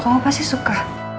kamu pasti suka